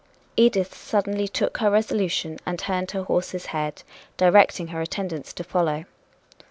Edith suddenly took her resolution, and turned her horse's head, directing her attendants to follow.